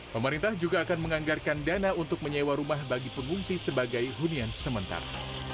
pemerintah juga akan menganggarkan dana untuk menyewa rumah bagi pengungsi sebagai hunian sementara